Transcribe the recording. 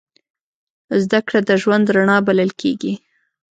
زدهکړه د ژوند رڼا بلل کېږي.